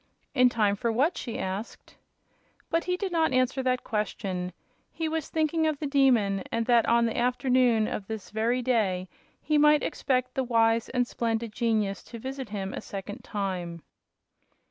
"In time for what?" she asked. But he did not answer that question. He was thinking of the Demon, and that on the afternoon of this very day he might expect the wise and splendid genius to visit him a second time.